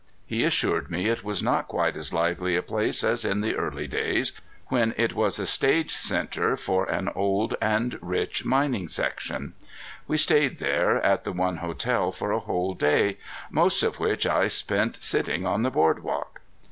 He assured me it was not quite as lively a place as in the early days when it was a stage center for an old and rich mining section. We stayed there at the one hotel for a whole day, most of which I spent sitting on the board walk.